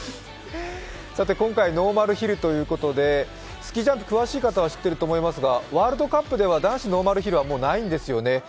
今回ノーマルヒルということでスキージャンプ詳しい方は知ってると思いますが、ワールドカップでは男子ノーマルヒルはないんですよね。